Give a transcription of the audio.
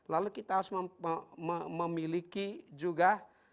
lalu kita harus memiliki juga